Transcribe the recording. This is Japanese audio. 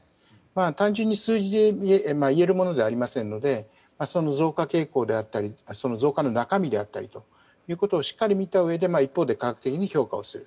単純に数字でいえるものではありませんので増加傾向であったり増加の中身であったりをしっかり見たうえで科学的に評価する。